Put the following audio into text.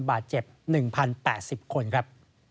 บาดเจ็บ๑๐๘๐คนครับ